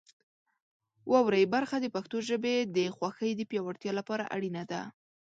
واورئ برخه د پښتو ژبې د خوښۍ د پیاوړتیا لپاره اړینه ده.